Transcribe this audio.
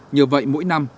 nhờ vậy mỗi năm